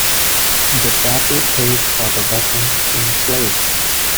The Datu paid for the weapons in slaves.